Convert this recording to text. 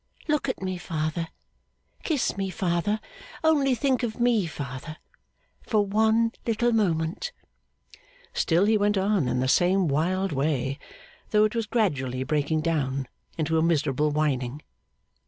Look at me, father, kiss me, father! Only think of me, father, for one little moment!' Still he went on in the same wild way, though it was gradually breaking down into a miserable whining.